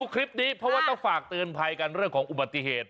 คลิปนี้เพราะว่าต้องฝากเตือนภัยกันเรื่องของอุบัติเหตุ